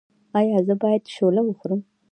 ایا زه باید شوله وخورم؟